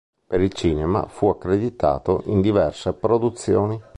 Per il cinema, fu accreditato in diverse produzioni.